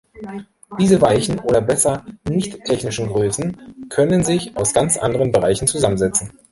Diese „weichen“ oder besser „nichttechnischen“ Größen können sich aus ganz anderen Bereichen zusammensetzen.